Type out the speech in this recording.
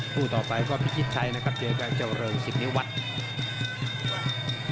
คู่ต่อไปก็พิชิตชัยนะครับเจอกับเจ้าเริงสิทธิวัฒน์